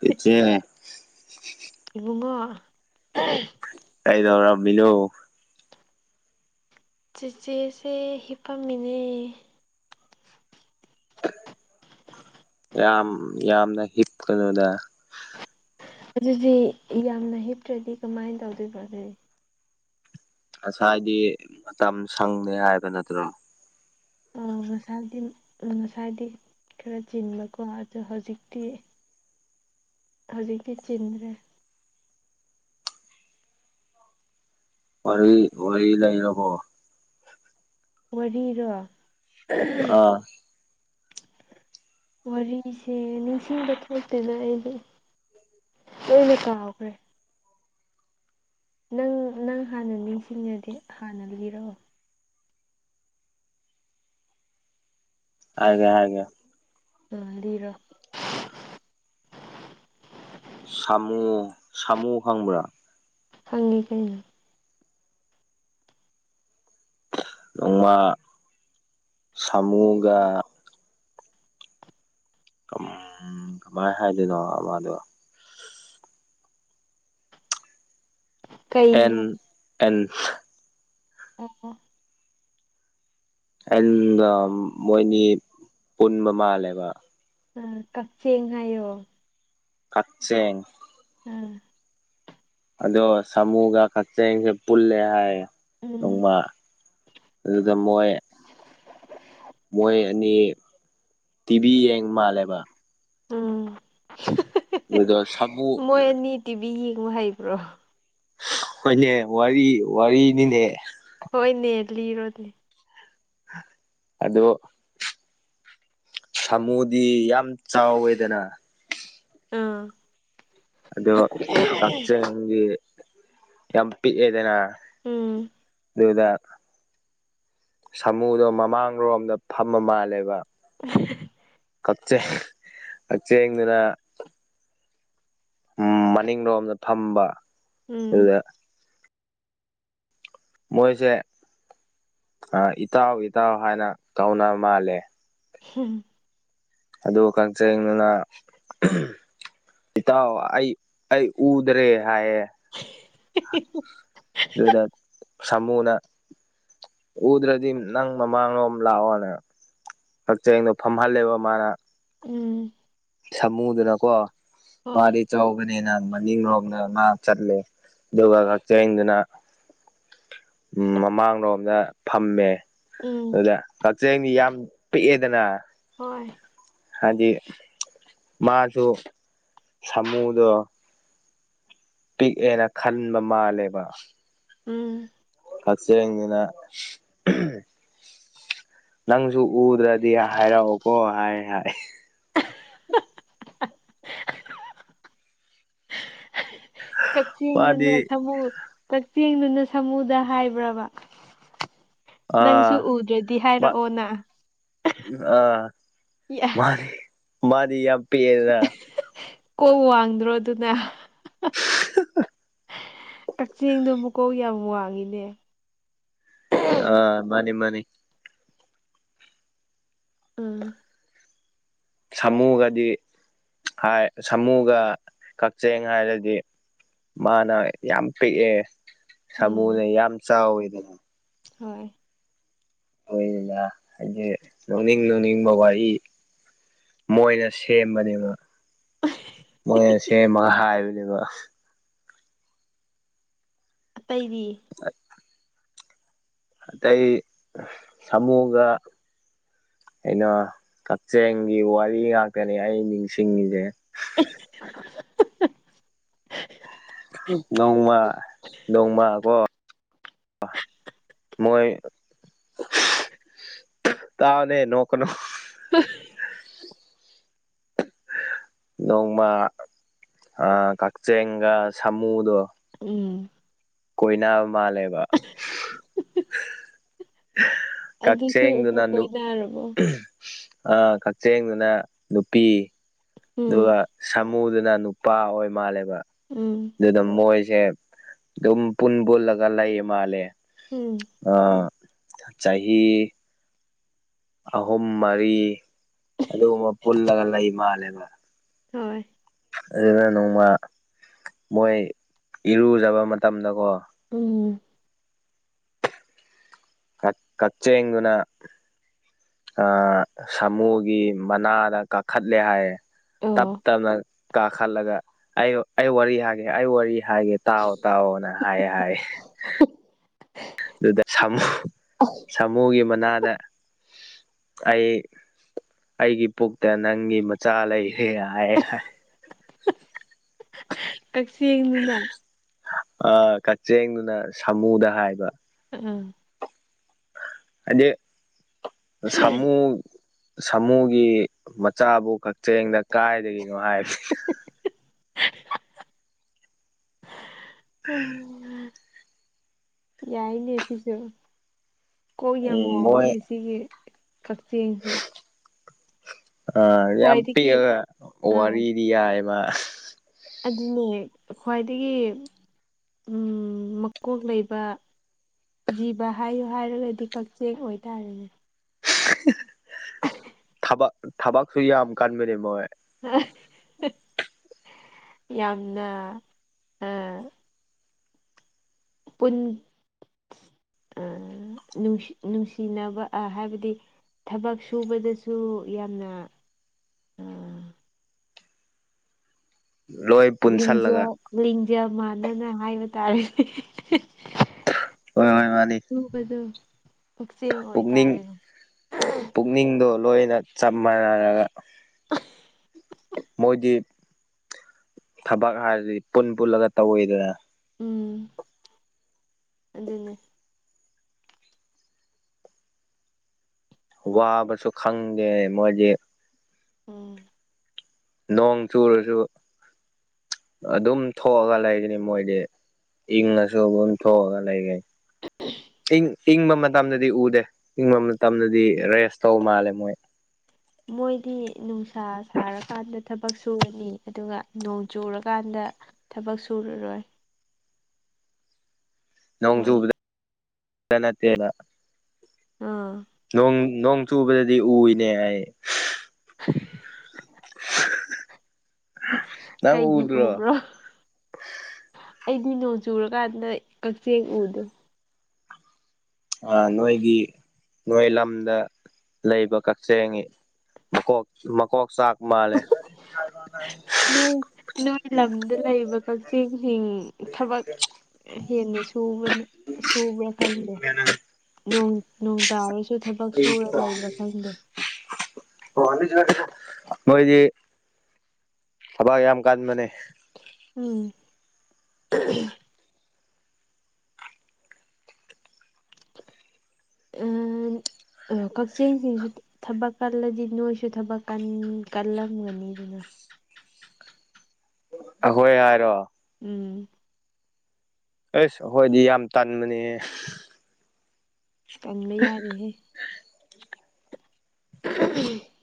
ꯏꯆꯦ ꯏꯕꯨꯡꯉꯣ ꯀꯩꯗꯧꯔꯝꯃꯤꯅꯣ ꯆꯤꯆꯦꯁꯦ ꯍꯤꯞꯄꯝꯃꯤꯅꯦ ꯌꯥꯝ ꯌꯥꯝ ꯌꯥꯝꯅ ꯍꯤꯞꯀꯅꯨꯗ ꯑꯗꯨꯗꯤ ꯌꯥꯝꯅ ꯍꯤꯞꯇ꯭ꯔꯗꯤ ꯀꯃꯥꯏꯟ ꯇꯧꯗꯣꯏꯕ ꯑꯗꯨꯗꯤ ꯉꯁꯥꯏꯗꯤ ꯃꯇꯝ ꯁꯪꯗꯦ ꯍꯥꯏꯕ ꯅꯠꯇ꯭ꯔꯣ ꯎꯝ ꯉꯁꯥꯏꯗꯤ ꯉꯁꯥꯏꯗꯤ ꯈꯔ ꯆꯤꯟꯕꯀꯣ ꯑꯗꯣ ꯍꯧꯖꯤꯛꯇꯤ ꯍꯧꯖꯤꯛꯇꯤ ꯆꯤꯟꯗ꯭ꯔꯦ ꯋꯥꯔꯤ ꯋꯥꯔꯤ ꯂꯩꯔꯕꯣ ꯋꯥꯔꯤꯔꯣ [unintelligible] ꯑꯥ ꯋꯥꯔꯤꯁꯦ ꯅꯤꯡꯁꯤꯡꯕ ꯊꯣꯛꯇꯦꯅ ꯑꯩꯗꯤ ꯂꯣꯏꯅꯥ ꯀꯥꯎꯒꯔꯦ ꯅꯪ ꯅꯪ ꯍꯥꯟꯅ ꯃꯤꯁꯤꯡꯉꯗꯤ ꯍꯥꯟꯅ ꯂꯩꯔꯛꯑꯣ ꯍꯥꯏꯒꯦ ꯍꯥꯏꯒꯦ ꯎꯝ ꯂꯤꯔꯣ ꯁꯥꯃꯨ ꯁꯥꯃꯨ ꯈꯪꯕ꯭ꯔꯥ ꯈꯪꯉꯤ ꯀꯩꯅꯣ ꯅꯣꯡꯃꯥ ꯁꯥꯃꯨꯒ ꯎꯝ ꯀꯃꯥꯏ ꯍꯥꯏꯗꯣꯏꯅꯣ ꯑꯃꯗꯣ ꯑꯦꯟ ꯀꯩꯔꯣ ꯑꯦꯟ ꯑꯣ ꯑꯣ ꯑꯦꯟꯒ ꯃꯣꯏꯅꯤ ꯄꯨꯟꯕ ꯃꯥꯜꯂꯦꯕ ꯎꯝ ꯀꯛꯆꯦꯡ ꯍꯥꯏꯌꯣ ꯀꯛꯆꯦꯡ ꯎꯝ ꯑꯗꯣ ꯁꯥꯃꯨꯒ ꯀꯛꯆꯤꯡꯁꯦ ꯄꯨꯜꯂꯦ ꯍꯥꯏ ꯎꯝ ꯅꯣꯡꯃ ꯑꯗꯨꯗ ꯃꯣꯏ ꯃꯣꯏ ꯑꯅꯤ ꯇꯤꯚꯤ ꯌꯦꯡ ꯃꯥꯜꯂꯦꯕ ꯎꯝ ꯑꯗꯨꯗꯣ ꯁꯥꯃꯨ [unintelligible] ꯃꯣꯏ ꯑꯅꯤ ꯇꯤꯚꯤ ꯌꯦꯡꯕ ꯍꯩꯕ꯭ꯔꯣ ꯍꯣꯏꯅꯦ ꯋꯥꯔꯤ ꯋꯥꯔꯤꯅꯤꯅꯦ ꯍꯣꯏꯅꯦ ꯂꯤꯔꯣꯅꯦ ꯑꯗꯣ ꯁꯥꯃꯨꯗꯤ ꯌꯥꯝ ꯆꯥꯎꯋꯦꯗꯅ ꯑꯥ ꯑꯗꯣ ꯀꯛꯆꯦꯡꯗꯤ ꯌꯥꯝ ꯄꯤꯛꯑꯦꯗꯅ ꯎꯝ ꯑꯗꯨꯗ ꯁꯥꯃꯨꯗꯣ ꯃꯃꯥꯡꯔꯣꯝꯗ ꯐꯝꯕ ꯃꯥꯜꯂꯦꯕ [unintelligible] [unintelligible] ꯀꯛꯆꯦꯡꯗꯨꯅ ꯎꯝ ꯃꯅꯤꯡꯔꯣꯝꯗ ꯐꯝꯕ ꯎꯝ ꯑꯗꯨꯗ ꯃꯣꯏꯁꯦ ꯑꯥ ꯏꯇꯥꯎ ꯏꯇꯥꯎ ꯍꯥꯏꯅ ꯇꯧꯅ ꯃꯥꯜꯂꯦ [unintelligible] ꯑꯗꯨ ꯀꯛꯆꯦꯡꯗꯨꯅ ꯏꯇꯥꯎ ꯑꯩ ꯑꯩ ꯎꯗ꯭ꯔꯦ ꯍꯥꯏꯌꯦ [unintelligible] ꯑꯗꯨꯗ ꯁꯥꯃꯨꯅ ꯎꯗ꯭ꯔꯥꯗꯤ ꯅꯪ ꯃꯃꯥꯡꯂꯣꯝ ꯂꯥꯛꯑꯣꯅ ꯀꯛꯆꯦꯡꯗꯣ ꯐꯝꯍꯜꯂꯦꯕ ꯃꯥꯅ ꯎꯝ ꯁꯃꯨꯗꯨꯅꯀꯣ ꯍꯣꯏ ꯃꯥꯗꯤ ꯆꯥꯎꯕꯅꯦꯅ ꯃꯅꯤꯡ ꯔꯣꯝꯗ ꯃꯥ ꯆꯠꯂꯦ ꯑꯗꯨꯒ ꯀꯛꯆꯦꯡꯗꯨꯅ ꯎꯝ ꯃꯃꯥꯡꯂꯣꯝꯗ ꯐꯝꯃꯦ ꯎꯝ ꯑꯗꯨꯗ ꯀꯛꯆꯦꯡꯗꯤ ꯌꯥꯝ ꯄꯤꯛꯑꯦꯗꯅ ꯍꯣꯏ ꯍꯥꯏꯗꯤ ꯃꯥꯁꯨ ꯁꯥꯃꯨꯗꯣ ꯄꯤꯛꯑꯦꯅ ꯈꯟꯕ ꯃꯥꯜꯂꯦꯕ ꯎꯝ ꯄꯠꯆ ꯑꯪꯅꯅꯥ ꯅꯪꯁꯨ ꯎꯗ꯭ꯔꯗꯤ ꯍꯥꯏꯔꯛꯑꯣꯀꯣ ꯍꯥꯏ ꯍꯥꯏ [unintelligible] ꯃꯥꯗꯤ ꯀꯛꯆꯤꯡꯅ ꯊꯃꯨ ꯀꯛꯆꯦꯡꯗꯨꯅ ꯁꯥꯃꯨꯗ ꯍꯥꯏꯕ꯭ꯔꯕ ꯅꯪꯁꯨ ꯑꯥ ꯎꯗ꯭ꯔꯗꯤ ꯍꯥꯏꯔꯛꯑꯣꯅ ꯑꯥ ꯃꯥꯔꯤ ꯃꯥꯔꯤ ꯌꯥꯝ ꯄꯤꯑꯦꯗ ꯀꯣꯛ ꯋꯥꯡꯗ꯭ꯔꯣ ꯑꯗꯨꯅ [unintelligible] ꯀꯛꯆꯤꯡꯗꯣ ꯃꯨꯀꯣꯛ ꯌꯥꯝ ꯋꯥꯡꯉꯤꯅꯦ ꯑ ꯃꯥꯅꯤ ꯃꯥꯅꯤ ꯎꯝ ꯁꯥꯃꯨꯒꯗꯤ ꯍꯥꯏ ꯁꯥꯃꯨꯒ ꯀꯛꯆꯤꯡ ꯍꯥꯏꯔꯗꯤ ꯃꯥꯅ ꯌꯥꯝ ꯄꯤꯛꯑꯦ ꯎꯝ ꯁꯥꯃꯨꯅ ꯌꯥꯝ ꯆꯥꯎꯋꯤꯗꯅ ꯍꯣꯏ ꯍꯅꯤꯗ ꯍꯥꯏꯗꯤ ꯅꯣꯡꯅꯤꯡ ꯅꯣꯡꯅꯤꯡꯕ ꯋꯥꯔꯤ ꯃꯣꯏꯅ ꯁꯦꯝꯕꯅꯦꯕ ꯃꯣꯏꯅ ꯁꯦꯝꯃꯒ ꯍꯥꯏꯕꯅꯦꯕ ꯑꯇꯩꯗꯤ ꯑꯇꯩ ꯁꯃꯨꯒ ꯑꯩꯅ ꯀꯛꯆꯦꯡꯒꯤ ꯋꯥꯔꯤ ꯉꯥꯛꯇꯅꯦ ꯑꯩ ꯅꯤꯡꯁꯤꯡꯉꯤꯁꯦ [unintelligible] ꯅꯣꯡꯃ ꯅꯣꯡꯃ ꯀꯣ [unintelligible] ꯃꯣꯏ ꯇꯥꯎꯅꯦ ꯅꯣꯛꯀꯅꯣ [inaudible] ꯅꯣꯡꯃ ꯀꯛꯆꯤꯡꯒ ꯁꯥꯃꯨꯗꯣ ꯎꯝ ꯀꯣꯏꯅꯕ ꯃꯥꯜꯂꯦꯕ ꯑꯗꯨꯁꯨ ꯀꯆꯦꯡ ꯎꯄꯨ ꯗꯨꯅ ꯅꯨ ꯀꯣꯏꯅꯔꯕꯣ ꯑ ꯀꯛꯆꯤꯡꯗꯨꯅ ꯅꯨꯄꯤ ꯎꯝ ꯑꯗꯨꯒ ꯁꯥꯃꯨꯗꯨꯅ ꯅꯨꯄꯥ ꯑꯣꯏ ꯃꯥꯜꯂꯦꯕ ꯎꯝ ꯑꯗꯨꯗ ꯃꯣꯏꯁꯦ ꯑꯗꯨꯝ ꯄꯨꯟ ꯄꯨꯜꯂꯒ ꯂꯩꯌꯦ ꯃꯥꯜꯂꯦ ꯎꯝ ꯑ ꯆꯍꯤ ꯑꯍꯨꯝ ꯃꯔꯤ ꯑꯗꯨꯒꯨꯝꯕ ꯄꯨꯜꯂꯒ ꯂꯩ ꯃꯥꯜꯂꯦꯕ ꯍꯣꯏ ꯑꯗꯨꯅ ꯅꯣꯡꯃ ꯃꯣꯏ ꯏꯔꯨꯖꯕ ꯃꯇꯝꯗꯀꯣ ꯎꯝ ꯀ ꯀꯆꯦꯡꯗꯨꯅ ꯁꯥꯃꯨꯒꯤ ꯃꯅꯥꯗ ꯀꯥꯈꯠꯂꯦ ꯍꯥꯏꯌꯦ ꯇꯞ ꯑꯣ ꯇꯞꯅ ꯀꯥꯈꯠꯂꯒ ꯑꯩ ꯑꯩ ꯋꯥꯔꯤ ꯍꯥꯏꯒꯦ ꯑꯩ ꯋꯥꯔꯤ ꯍꯥꯏꯒꯦ ꯇꯥꯎꯑꯣ ꯇꯥꯎꯑꯣꯅ ꯍꯥꯏ ꯍꯥꯏ [unintelligible] ꯑꯗꯨꯗ ꯁꯥꯃꯨ ꯁꯥꯃꯨꯒꯤ ꯃꯅꯥꯗ ꯑꯩ ꯑꯩꯒꯤ ꯄꯨꯛꯇ ꯅꯪꯒꯤ ꯃꯆꯥ ꯂꯩꯔꯦ ꯍꯥꯏ ꯍꯥꯏ ꯀꯛꯆꯦꯡꯗꯨꯅ ꯑ ꯀꯛꯆꯦꯡꯗꯨꯅ ꯁꯥꯃꯨꯗ ꯍꯥꯏꯕ ꯎꯝ ꯎꯝ ꯍꯥꯏꯗꯤ ꯁꯃꯨ ꯁꯥꯃꯨꯒꯤ ꯃꯆꯥꯕꯨ ꯀꯛꯆꯤꯡꯗ ꯀꯥꯏꯗꯒꯤꯅꯣ ꯍꯥꯏꯕ ꯌꯥꯏꯅꯦꯁꯤꯁꯨ ꯀꯣꯏ ꯌꯥꯝ ꯎꯝ ꯃꯣꯏ ꯋꯥꯡꯉꯤꯅꯦ ꯁꯤꯒꯤ ꯀꯛꯆꯦꯡꯁꯦ ꯑꯥ ꯌꯥꯝ ꯈ꯭ꯋꯥꯏꯗꯒꯤ ꯄꯤꯛꯑꯒ ꯑꯥ ꯋꯥꯔꯤꯗꯤ ꯌꯥꯏꯕ ꯑꯗꯨꯅꯦ ꯈ꯭ꯋꯥꯏꯗꯒꯤ ꯃꯀꯣꯛ ꯂꯩꯕ ꯖꯤꯕ ꯍꯥꯏꯌꯨ ꯍꯥꯏꯔꯒꯗꯤ ꯀꯛꯆꯦꯛ ꯑꯣꯏꯇꯥꯔꯦꯅꯦ ꯊꯕꯛ ꯊꯕꯛꯁꯨ ꯌꯥꯝ ꯀꯟꯕꯅꯦ ꯃꯣꯏ ꯌꯥꯝꯅ ꯑ ꯄꯨꯟ ꯑ ꯅꯨꯡꯁꯤ ꯅꯨꯡꯁꯤꯅꯕ ꯑ ꯍꯥꯏꯕꯗꯤ ꯊꯕꯛ ꯁꯨꯕꯗꯁꯨ ꯌꯥꯝꯅ ꯑꯥ [inaudible] ꯂꯤꯡꯖꯦꯜ ꯂꯤꯡꯖꯦꯜ ꯃꯥꯟꯅꯅ ꯍꯥꯏꯕ ꯇꯥꯔꯦ ꯍꯣꯏ ꯍꯣꯏ ꯃꯥꯅꯤ ꯄꯨꯛꯅꯤꯡ [unintelligible] ꯄꯨꯛꯅꯤꯡꯗꯣ ꯂꯣꯏꯅ ꯆꯞ ꯃꯥꯟꯅꯔꯒ ꯃꯣꯏꯗꯤ ꯊꯕꯛ ꯍꯥꯏꯔꯗꯤ ꯄꯨꯟ ꯄꯨꯜꯂꯒ ꯇꯧꯋꯤꯗꯅ ꯎꯝ ꯑꯗꯨꯅꯦ ꯋꯥꯕꯁꯨ ꯈꯪꯗꯦ ꯃꯣꯏꯗꯤ ꯎꯝ ꯅꯣꯡ ꯆꯨꯔꯁꯨ ꯑꯗꯨꯝ ꯊꯣꯛꯑꯒ ꯂꯩꯔꯤꯅꯤ ꯃꯣꯏꯗꯤ [unintelligible] ꯏꯪ ꯏꯪꯕ ꯃꯇꯝꯗꯗꯤ ꯎꯗꯦ ꯏꯪꯕ ꯃꯇꯝꯗꯗꯤ ꯔꯦꯁ ꯇꯧ ꯃꯥꯜꯂꯦ ꯃꯣꯏ ꯃꯣꯏꯗꯤ ꯅꯨꯡꯁꯥ ꯁꯥꯔꯀꯥꯟꯗ ꯊꯕꯛ ꯁꯨꯔꯅꯤ ꯑꯗꯨꯒ ꯅꯣꯡ ꯆꯨꯔꯀꯥꯟꯗ ꯊꯕꯛ ꯁꯨꯔꯔꯣꯏ ꯃꯣꯏ [unintelligible] ꯑ ꯅꯣꯡ ꯅꯣꯡ ꯆꯨꯕꯗꯗꯤ ꯎꯏꯅꯦ ꯍꯥꯏ [inaudible] ꯅꯪ ꯀꯩꯒꯤ ꯎꯗ꯭ꯔꯣ ꯎꯕ꯭ꯔꯣ ꯑꯩꯗꯤ ꯅꯣꯡ ꯆꯨꯔꯀꯥꯟꯗ ꯀꯛꯆꯦꯛ ꯎꯗꯦ ꯑ ꯅꯣꯏꯒꯤ ꯅꯣꯏ ꯂꯝꯗ ꯂꯩꯕ ꯀꯛꯆꯤꯡꯒꯤ ꯃꯀꯣꯛ ꯃꯀꯣꯛ ꯆꯥꯛꯄ ꯃꯥꯜꯂꯦ ꯅꯣꯏ ꯅꯣꯏ ꯂꯝꯗ ꯂꯩꯕ ꯀꯛꯆꯤꯡꯁꯤꯡ ꯊꯕꯛ ꯍꯦꯟꯅ ꯁꯨꯕꯅ ꯁꯨꯕ꯭ꯔꯥ ꯈꯪꯗꯦ ꯅꯣꯡ ꯅꯣꯡ ꯇꯥꯔꯁꯨ ꯊꯕꯛ ꯁꯨꯔ ꯂꯩꯕ꯭ꯔꯥ ꯈꯪꯗꯦ [unintelligible] ꯃꯥꯏꯗꯤ ꯊꯕꯛ ꯌꯥꯝ ꯀꯥꯟꯕꯅꯦ ꯎꯝ [unintelligible] ꯎꯝ ꯀꯛꯆꯤꯡꯁꯤꯁꯨ ꯊꯕꯛ ꯀꯜꯂꯗꯤ ꯅꯣꯏꯁꯨ ꯊꯕꯛ ꯀꯜ ꯀꯜꯂꯝꯒꯅꯤꯗꯅ ꯑꯩꯈꯣꯏ ꯍꯥꯏꯔꯣ ꯎꯝ ꯑꯁ ꯑꯈꯣꯏꯗꯤ ꯌꯥꯝ ꯇꯟꯕꯅꯦꯍꯦ ꯇꯟꯕ ꯌꯥꯔꯣꯢꯍꯦ [inaudible]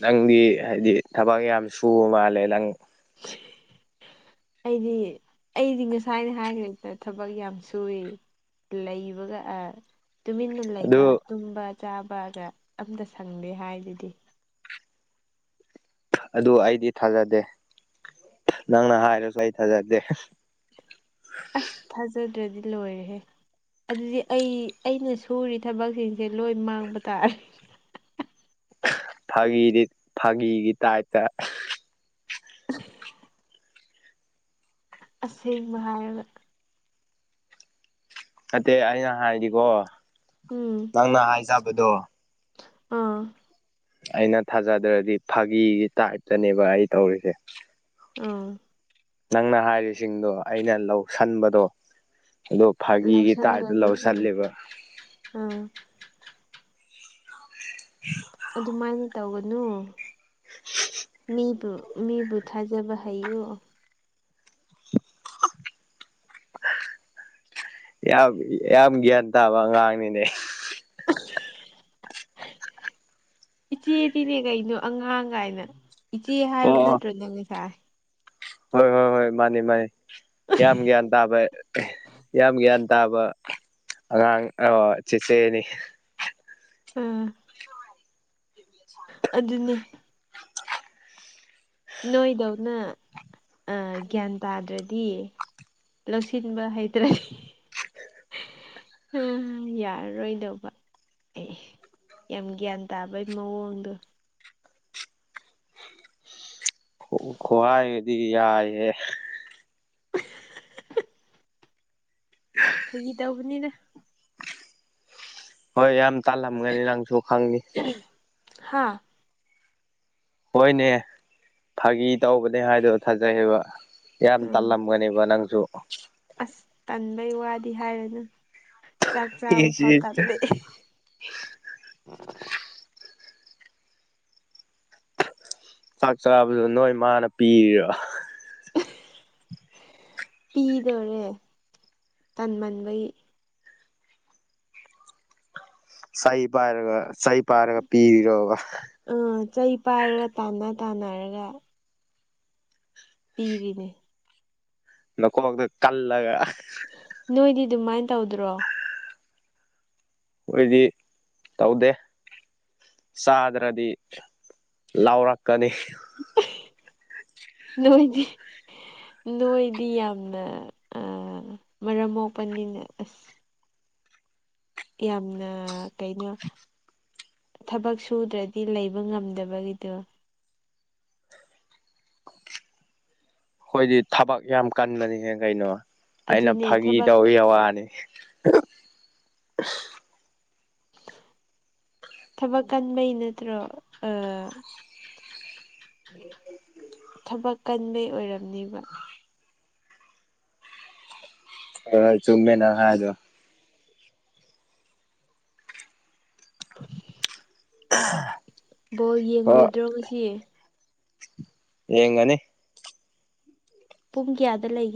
ꯅꯪꯗꯤ ꯍꯥꯏꯗꯤ ꯊꯕꯛ ꯌꯥꯝ ꯁꯨꯕ ꯃꯥꯜꯂꯦ ꯅꯪ [inaudible] ꯑꯩꯗꯤ ꯑꯩꯗꯤ ꯉꯁꯥꯏꯅ ꯍꯥꯏꯈ꯭ꯔꯦꯗ ꯊꯕꯛ ꯌꯥꯝ ꯁꯨꯏ ꯂꯩꯕꯒ ꯑꯥ ꯇꯨꯃꯤꯟꯅ ꯂꯩꯕ ꯑꯗꯨ ꯇꯨꯝꯕ ꯆꯥꯕꯒ ꯑꯝꯇ ꯁꯪꯗꯦ ꯍꯥꯏꯗꯨꯗꯤ ꯑꯗꯨ ꯑꯩꯗꯤ ꯊꯥꯖꯗꯦ ꯅꯪꯅ ꯍꯥꯏꯔꯁꯨ ꯑꯩ ꯊꯥꯖꯗꯦ ꯑꯁ ꯊꯥꯖꯗ꯭ꯔꯗꯤ ꯂꯣꯏꯔꯦꯍꯦ ꯑꯗꯨꯗꯤ ꯑꯩ ꯑꯩꯅ ꯁꯨꯔꯤ ꯊꯕꯛꯁꯤꯡꯁꯦ ꯂꯣꯏ ꯃꯥꯡꯕ ꯇꯥꯔꯦ ꯐꯥꯒꯤꯗꯤ ꯐꯥꯒꯤꯒꯤ ꯇꯥꯏꯞꯇ ꯑꯁꯦꯡꯕ ꯍꯥꯏꯔꯒ ꯅꯠꯇꯦ ꯑꯩꯅ ꯍꯥꯏꯗꯤꯀꯣ ꯎꯝ ꯅꯪꯅ ꯍꯥꯏꯖꯕꯗꯣ ꯑꯥ ꯑꯩꯅ ꯊꯥꯖꯗ꯭ꯔꯗꯤ ꯐꯥꯒꯤꯒꯤ ꯇꯥꯏꯞꯇꯅꯦꯕ ꯑꯩ ꯇꯧꯔꯤꯁꯦ ꯑꯣ ꯅꯪꯅ ꯍꯥꯏꯔꯤꯁꯤꯡꯗꯣ ꯑꯩꯅ ꯂꯧꯁꯟꯕꯗꯣ ꯑꯗꯣ ꯐꯥꯒꯤꯒꯤ ꯇꯥꯏꯞꯇ ꯂꯧꯁꯟꯗ꯭ꯔꯗꯤ ꯂꯧꯁꯜꯂꯦꯕ ꯎꯝ [inaudible] ꯑꯗꯨꯃꯥꯏꯅ ꯇꯧꯒꯅꯨ ꯃꯤꯕꯨ ꯃꯤꯕꯨ ꯊꯥꯖꯕ ꯍꯩꯌꯨ ꯌꯥꯝ ꯌꯥꯝ ꯒ꯭ꯌꯥꯟ ꯇꯥꯕ ꯑꯉꯥꯡꯅꯤꯅꯦ ꯏꯆꯦꯗꯤꯅꯦ ꯀꯩꯅꯣ ꯑꯉꯥꯡ ꯀꯥꯏꯅ ꯏꯆꯦ ꯍꯥꯏꯕ ꯑꯣ ꯑꯣ ꯅꯠꯇ꯭ꯔꯣ ꯅꯪ ꯉꯁꯥꯏ ꯍꯣꯏ ꯍꯣꯏ ꯍꯣꯏ ꯃꯥꯅꯤ ꯃꯥꯅꯤ ꯌꯥꯝ ꯒ꯭ꯌꯥꯟ ꯇꯥꯕ ꯌꯥꯝ ꯒ꯭ꯌꯥꯟ ꯇꯥꯕ ꯑꯉꯥꯡ ꯑꯣ ꯆꯤꯆꯦꯅꯤ ꯎꯝ ꯑꯗꯨꯅꯤ ꯅꯣꯏꯗꯧꯅ ꯑꯥ ꯒ꯭ꯌꯥꯟ ꯇꯥꯗ꯭ꯔꯗꯤ ꯂꯧꯁꯤꯟꯕ ꯍꯩꯇ꯭ꯔꯦ ꯎꯝ ꯌꯥꯔꯔꯣꯏꯗꯧꯕ ꯑꯩ ꯌꯥꯝ ꯒ꯭ꯌꯥꯟ ꯇꯥꯕꯩ ꯃꯋꯣꯡꯗꯣ ꯑꯣ ꯈꯨꯍꯥꯏꯒꯗꯤ ꯌꯥꯏꯍꯦ [unintelligible] [unintelligible] ꯐꯒꯤ ꯇꯧꯕꯅꯤꯅ ꯍꯣꯏ ꯌꯥꯝ ꯇꯥꯜꯂꯝꯒꯅꯤ ꯅꯪꯁꯨ ꯈꯪꯉꯤ ꯍꯥꯥ ꯍꯣꯏꯅꯦ ꯐꯥꯒꯤ ꯇꯧꯕꯅꯦ ꯍꯥꯏꯗꯣ ꯊꯥꯖꯩ ꯍꯥꯏꯕ ꯌꯥꯝ ꯎꯝ ꯇꯜꯂꯝꯒꯅꯦꯕ ꯅꯪꯖꯨ ꯑꯁ ꯇꯟꯕꯩ ꯋꯥꯗꯤ ꯍꯥꯏꯔꯅꯨ ꯆꯥꯛ ꯆꯥꯕ ꯐꯥꯎ ꯇꯜꯂꯤ ꯆꯥꯛ ꯆꯥꯕꯗꯨ ꯅꯣꯏ ꯃꯥꯅ ꯄꯤꯔ ꯄꯤꯗꯣꯔꯦ ꯇꯟꯃꯟꯕꯩ ꯆꯩ ꯄꯥꯏꯔꯒ ꯆꯩ ꯄꯥꯏꯔꯒ ꯄꯤꯔꯤꯔꯣꯕ ꯎꯝ ꯆꯩ ꯄꯥꯏꯔꯒ ꯇꯥꯟꯅ ꯇꯥꯟꯅꯔꯒ ꯄꯤꯔꯤꯅꯦ ꯅꯀꯣꯛꯇ ꯀꯜꯂꯒ ꯅꯣꯏꯗꯤ ꯑꯗꯨꯃꯥꯏꯟ ꯇꯧꯗ꯭ꯔꯣ ꯈꯣꯏꯗꯤ ꯇꯧꯗꯦ ꯆꯥꯗ꯭ꯔꯗꯤ ꯂꯥꯎꯔꯛꯀꯅꯤ ꯅꯣꯏꯗꯤ ꯅꯣꯏꯗꯤ ꯌꯥꯝꯅ ꯑꯥ ꯃꯔꯝ ꯃꯣꯛꯄꯅꯤꯅ ꯑꯁ ꯌꯥꯝꯅ ꯀꯩꯅꯣ ꯊꯕꯛ ꯁꯨꯗ꯭ꯔꯗꯤ ꯂꯩꯕ ꯉꯝꯗꯕꯒꯤꯗꯣ ꯑꯩꯈꯣꯏꯗꯤ ꯊꯕꯛ ꯌꯥꯝ ꯀꯟꯕꯅꯤꯍꯦ ꯀꯩꯅꯣ ꯑꯩꯅ ꯑꯗꯨꯅꯦ ꯐꯥꯒꯤ ꯊꯕꯛ ꯇꯧꯒꯤ ꯋꯥꯅꯤ [unintelligible] [inaudible] ꯊꯕꯛ ꯀꯟꯕꯩ ꯅꯠꯇ꯭ꯔꯣ ꯑ ꯊꯕꯛ ꯀꯟꯕꯩ ꯑꯣꯏꯔꯝꯅꯤꯕ ꯍꯣꯏ ꯍꯣꯏ ꯆꯨꯝꯃꯦ ꯅꯪ ꯍꯥꯏꯗꯣ [inaudible] [unintelligible] ꯕꯣꯜ ꯍꯣꯏ ꯌꯦꯡꯂꯉꯣꯏꯗ꯭ꯔꯣ ꯉꯁꯤ ꯌꯦꯡꯒꯅꯤ ꯄꯨꯡ ꯀꯌꯥꯗ ꯂꯩꯒꯦ